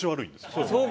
そうそう。